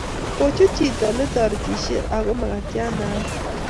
Kochut chito netoretishie ago mkatiat neanyiny